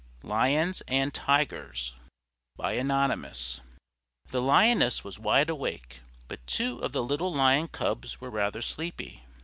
LIONS AND TIGERS Anonymous The Lioness was wide awake, but two of the little Lion Cubs were rather sleepy.